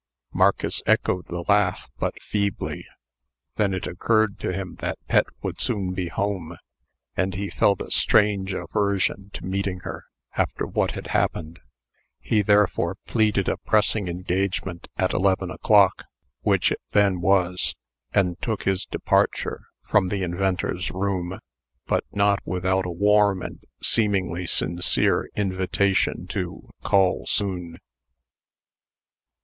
Marcus echoed the laugh, but feebly. Then it occurred to him that Pet would soon be home, and he felt a strange aversion to meeting her, after what had happened. He therefore pleaded a pressing engagement at eleven o'clock (which it then was), and took his departure from the inventor's roof, but not without a warm and seemingly sincere invitation to "call soon."